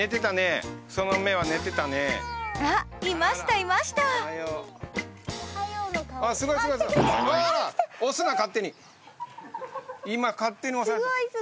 今勝手に押された。